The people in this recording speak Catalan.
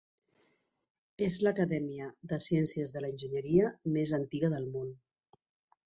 És l'acadèmia de ciències de l'enginyeria més antiga del món.